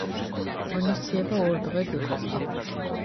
ღონისძიება ორ დღედ იყოფა.